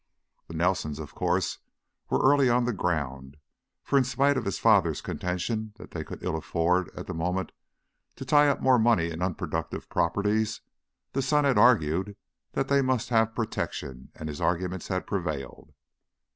The Nelsons, of course, were early on the ground, for in spite of the father's contention that they could ill afford, at the moment, to tie up more money in unproductive properties, the son had argued that they must have "protection," and his arguments had prevailed.